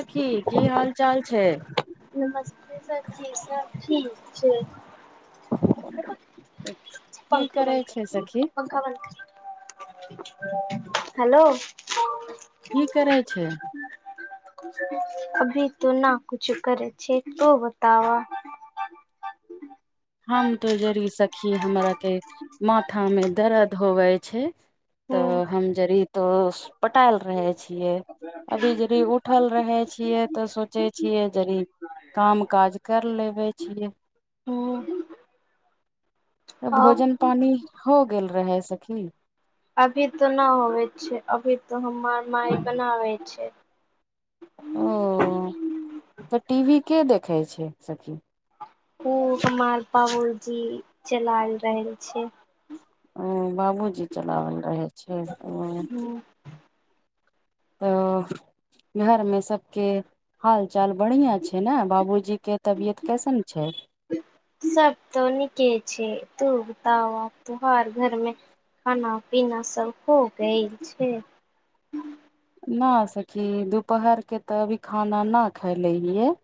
सखी की हाल चाल छै नमस्ते सर जी सब ठीक छै की पंखा करै बन्द छै कर सखी पंखा बंद कर हेलो की करै छे अभी तऽ ना कुछ करै छी तु बताव हम तो जड़ी सखी हमरा के माथा मे दर्द होवै छै हूँ तऽ हम जड़ी तो पटायल रहै छियै अभी जड़ी उठ उठल रहै छियै तऽ सोचे छियै जड़ी काम काज कर लेबे छियै हूँ तऽ आ भोजन पाणि हो गेल रहै सखी अभी तो न होवै छे अभी तो हमर माय बनाबे छै ओ तऽ टीवी के देखै छै सखी ओ हमार बाबूजी चला लरहल छैय ह बाबूजी चला लरहे छे ओ हूँ ओ घर मे सबके हाल चाल बढ़िया छे ने बाबूजी के तबियत केसन छैय सब तो निके छे तू बताव तोहार घर मे खाना पीना सब हो गेल छैय न सखी दुपहर के तऽ अभी खाना ना खाय ले हियै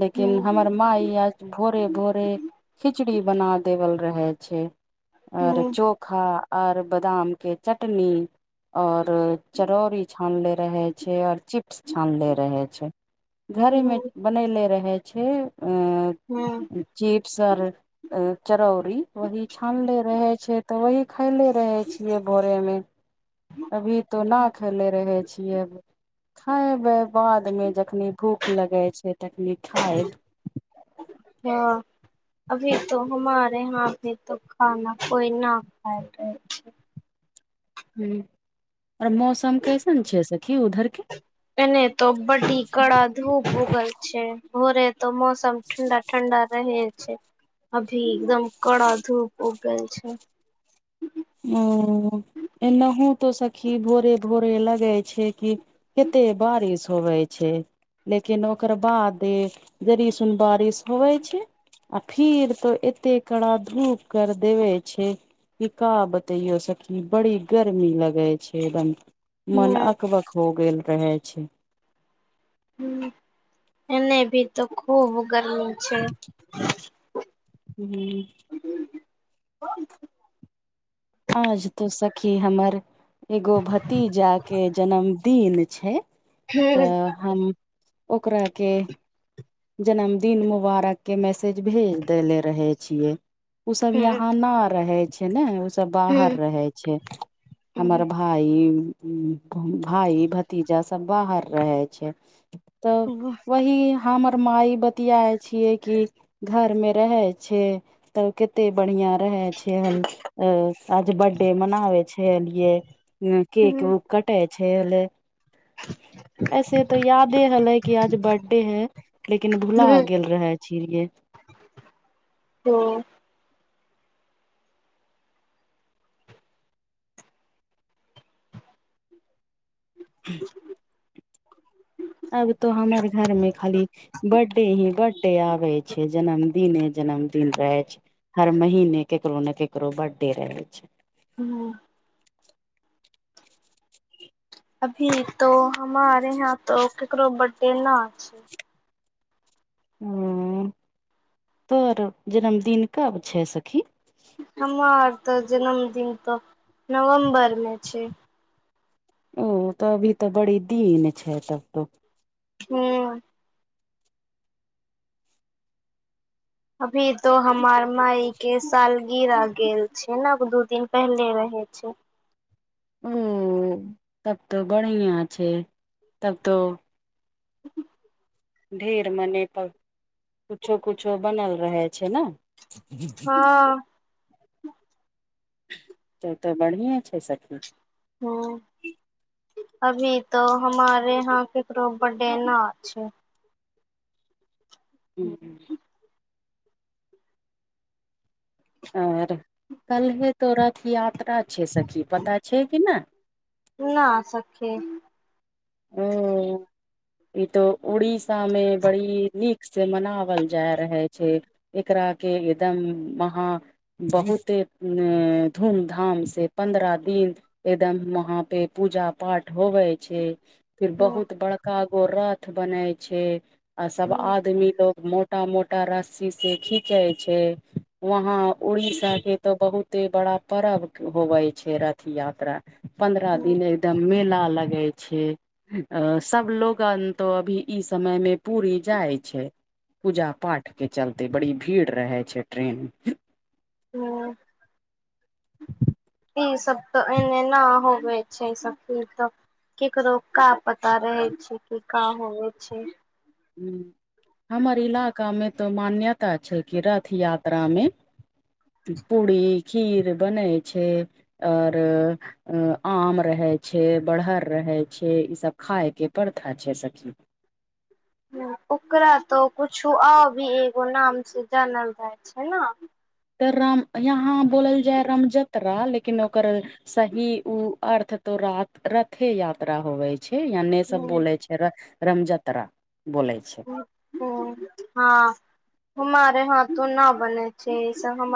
लेकिन हूँ हमर माइ आज भोरे भोरे खिचड़ी बना देवल रहे छै य ओर हूँ चोखा और बादाम के चटनी और चरौरी छान ले रह छैय और चिप्स छानले रहे छैय घरे मे हूँ बनले रह छे उऽ हूँ चिप्स और चरौरी वही छानले रहे छैय त वही खयले रहे छिये भोरे मे अभी तो ना खेले रहे छिये खायब बादमे जखनि भूख लगै छैय तखनि खएब हँ अभी तो हमारे यहा भी तो खाना कोई ना खा रहे छैय ह आइ मौसम कैसन छैय सखी उधर एने त बडी कड़ा धूप उगल छैय भोरे त मौसम ठण्डा ठण्डा रह छैय अभी एकदम कड़ा धूप उगग छैय ऊऽ एनाहु तो सखी भोरे भोरे लगे छैय कि कते बारिस होबै छै लेकिन ओकर बाद जरिसन बारिश होबै छैय आ फिर तो एते कड़ा धूप कर देवे छैय का बतेयो सखी बड़ी गर्मी लगे छैय एकदम मन ह अकबक हो गेल रहे छैय ह एने भी त खूब गरमी छैय ह आज तो सखी हमर एगो भतीजा के जनम दिन छैय तऽ हम ओकरा के जन्मदिन मुबारकके मैसेज भेज देेले रहे छियै ऊ सब यहाँ न रहै छै ने ओ सब बाहर रहै छैय हमर भाई भाई भतीजा सब बाहर रहे छैय तऽ वहीऽ हमर माइ बतियाए छियै कि घरमे रहै छैय तब कते बढ़ििया रह छैय हेल आज बर्थडे मनाबै छैय हेलिय केक उक कटे छै एल ऐसे तो याद हले कि आज बर्थडे है लेकिन भुला गेल रहे छेलिय ओऽ [inaudible] अब तो हमर घर मे खाली बडे ही बडे आबै छै जनम दने जन्मदिन रहै छै हर महने ककरो ने ककरो बर्डे रहै छै हूँ अभी तो हमार यहाँ तो केकरो बर्थडे न छै ओ तोर जन्मदिन कब छै सखी हमर तऽ जन्मदिन तऽ नवम्बर मे छै ओ तऽ अभी तऽ बड़ी दिन छै तब तो हूँ अभी तो हमार माई के सालगिर गेल छै न दू दिन पहले रहै छै ओ तब तऽ बढ़िआ छै तब तो ह [unintelligible] ढेर मने पर कुछो कुछो बनल रहै छै न हँ त तऽ बढ़िए छै सखी हँ अभी तो हमारे यहाँ ककरो बडे ना छै हूँ आओर कल्हे तो रथ यात्रा छै सखी पता छै कि नै ना सखी ओ ई तो उड़ीसा मे बड़ी नीक से मनावल जा रहै छै एकरा के इदम महा बहुते अए धूम धाम से पन्द्रह दिन एदम वहाँ पे पूजा पाठ होवे छै फिर हूँ बहुत बड़का गो रथ बनाय छै आ सब हूँ आदमी लोग मो टा मोटा रस्सी से खीचै छै वहाँ उड़ीसा के तऽ बहुते बड़ा परर्ब होवे छै रथ यात्रा पन्द्रह हूँ दिन एकदम मेला लगै छै अ सब लोगन तो अभी ई समयमे पूरी जाइ छै पूजा पाठ के चलते बड़ी भीड़ रहै छै ट्रेन मे हूँ ई सब त एने ना होवे छै ई सब ती त केकरो का पता रहै छै किका होवे छै हूँ हमर इलाकामे तऽ मान्यता छै कि रथ यात्रामे पूड़ी खीर बनै छै आओर आम रहै छै बरहर रहै छै ई सब खाय के परथा छै सखी ओकरा तोऽ कुछु आ भी एगो नाम से जानल जाइ छै न तऽ राम यहाँ बोलल जाय है रामजतरा लेकिन ओकर सही उ अर्थ त रात रथे यात्रा होवे छै या ने सब बोले छै रमजतरा बोले छै हूँ हँ हमारे हाथो ना बनै छै ई सब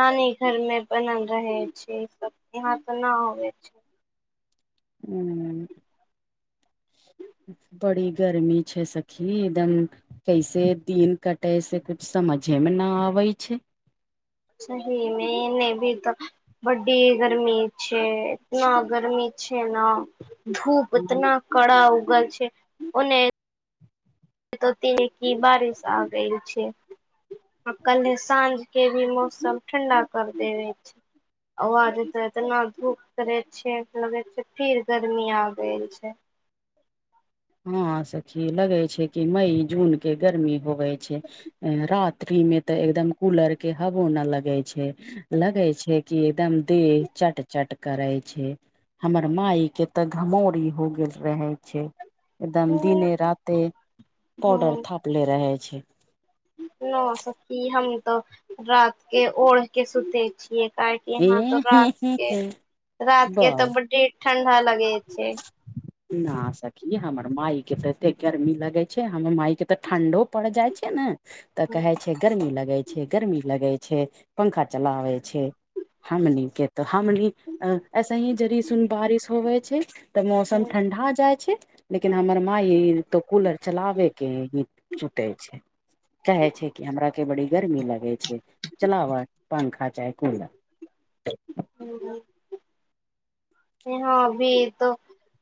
नानी घर मे बनल रहै छै सब यहाँ त ना होवे छै ऊं बड़ी गर्मी छै सखी एदम कैसे दिन कटे से कुछ समझे मे ना आबै छै सही में नै ए भी तऽ बर्डे गर्मी छै इतना गर्मी छै न धूप हूँ। उतना कड़ा उगा छै ओने ती ही की बारिश आ गेल छै आ कल्हे साँझ केँ भी मौसम ठंडा कर देवे छै [unintelligible] एतना धूप करे छै लगे छै फिर गर्मी आ गेल छै हँ सखी लगे छै कि मई जून केँ गर्मी होवे छै रात्रि में तऽ एकदम कूलर केँ हवो न लगे छै लगै छै कि एकदम देह चट चट करै छै हमर माई केँ तऽ घमौरी हो गेल रहे छै एकदम दिने राते पौडर थापले रहे छै न सखी हम तो रात केँ ओढ़ केँ सुते छियै का है कि यहाँ तऽ रात केँ रात केँ तऽ बस बडे ठण्डा लगे छै न सखी हमर माई केँ ते एते गर्मी लगे छै हमर माई केँ तऽ ठंडो पड़ जाय छै ने तऽ कहे छै गर्मी लगे छै गरमी लगे छै पंखा चलाब छै हमनीे तऽ हमनी ऐसे ही जरी स बारिश होबे छै तऽ मौसम ठंढा जाइ छै लेकिन हमर माई तो कूलर चलाबे केँ है छूट छै कहे छै कि हमरा केँ बड़ी गर्मी लगे छै चलाव पंखा चाहे कूलर [unintelligible] यहाँ अभी तऽ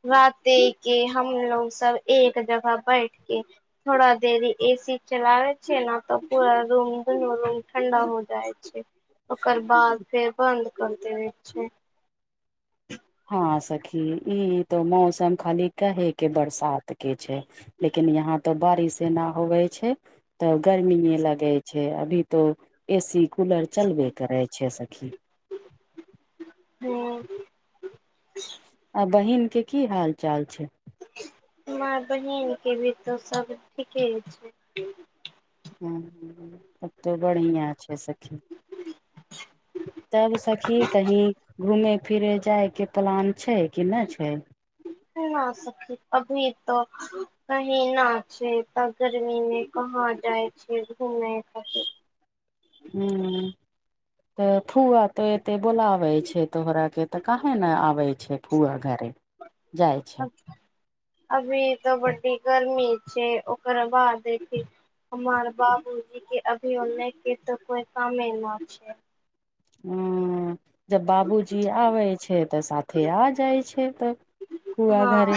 राते केँ हमलोग सब एक जगह बैठ केँ थोड़ा देरी ए सी चलाब छै ने तऽ पूरा रूम दुनू रूम ठंडा हो जाइ छै ओकर बाद फेर बंद कर देवै छै हँ सखी ई तो मौसम खाली कहे केँ बरसात केँ छै लेकिन यहाँ तो बारिशे न होवे छै तऽ गर्मीे लगै छै अभी तो ए सी कूलर चलबे करै छै सखी [unintelligible] आ बहिन केँ की हाल चाल छै माय बहिन केँ भी तो सभ ठीके छै [unintelligible] तब तऽ बढ़िया छै सखी तब सखी कही घूमे फिरे जाय केँ प्लान छै कि नै छै नै सखी अभी तो कही न छै तऽ गर्मी में कहाँ जाय [unintelligible] [unintelligible] तऽ फूआ तो एते बोलाबै छै तोहरा केँ तऽ केँ न आबै छै फूआ घरे जाइ छै [unintelligible] अभी तो बडी गर्मी छै ओकरबाद देखै हमार बाबूजी केँ अभी ओने केँ तऽ कोई कामे ना छै हु जब बाबूजी आबै छै तऽ साथे आ जाइ छै तऽ फुआ हँ घरे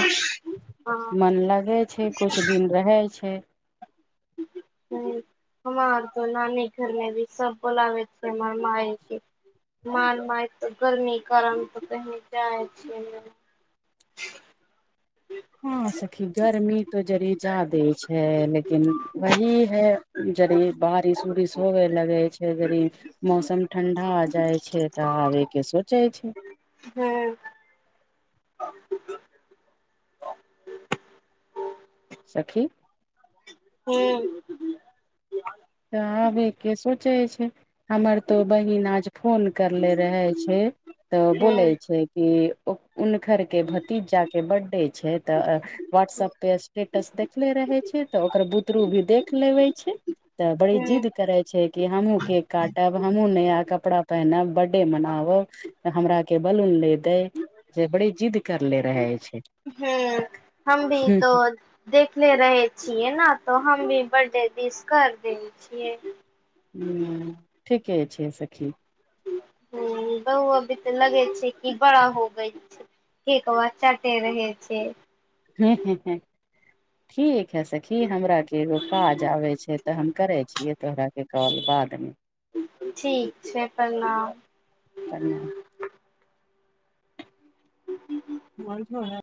हँ [inaudible] मन लगे छै कुछ दिन रहे छै हु हमर तऽ नानी घर में भी सब बोलबै छै हमर माई केँ हमार माई तऽ गर्मी कारण तऽ कही जाइ छियै नै [inaudible] हँ सखी गर्मी तो जड़ी जा दै छै लेकिन वही है जड़ी बारिश उरिश होवे लगै छै [unintelligible] गड़ी मौसम ठण्डा जाय छै तऽ आबै के सोचे छै हँ [unintelligible] ह ओ [unintelligible] सखी हूँ तऽ आबै के सोचै छै हमर तो बहिन आज फोन करले रहै छै तऽ बोलै हूँ छै कि हुनखरके भतीजाके बडे छै तऽ वाडसपपे स्टेटस देखले रहै छै तऽ ओकर बुतरू भी देख लेबे छै तऽ बड़ी हूँ जिद्द करै छै के हमहूँ केक काटब हमहूँ नया कपड़ा पहीनब बडे मनाओ तऽ हमरा के बलून ले देै जे बड़ी जिद्द करले रहै छै हूँ हम भी तो देखले रहै छियै न तो हम भी बर्ड दिश कर दे छियै हूँ ठीके छैय सखी बहुवो भी त लगै छै कि बड़ा होगई छै केक वा चटै रहै छै हू ह ह [unintelligible] ठीक है सखी हमरा के एगो काज आबै छै तऽ हम करै छियै तोहराके कॉल बादमे ठीक छै प्रणाम प्रनाम जी जी जी [unintelligible] म है [unintelligible]